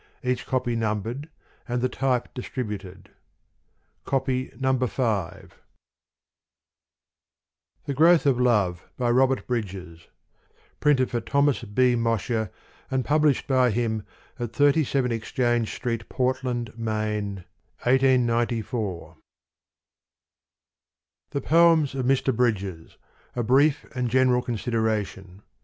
Each copy numbered, and the type distributed. No. if T HE GROWTH OF LOVE BY ROBERT BRIDGES PRINTED FOR THOMAS B. MOSHER AND PUBLISHED BY HIM AT 37 EXCHANGE STREET PORTLAND MAINE MDCCCXCIV j^.,^A.^ )^^fi^ ^ GIFT THE POEMS OF MR. BRIDGES ; A BRIEF AND GENERAL CON SIDERATION.